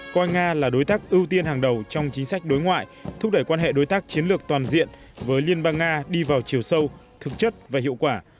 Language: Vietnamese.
coi nga là đối tác ưu tiên hàng đầu trong chính sách đối ngoại thúc đẩy quan hệ đối tác chiến lược toàn diện với liên bang nga đi vào chiều sâu thực chất và hiệu quả